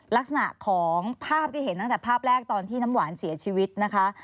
ลักษณะของภาพที่เห็นตั้งแต่ภาพแรกตอนที่น้ำหวานเสียชีวิตนะคะ